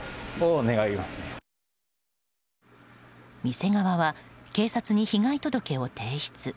店側は警察に被害届を提出。